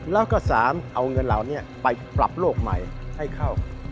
แล้วก็๓เอาเงินเหล่านี้ไปปรับโลกใหม่ให้เข้า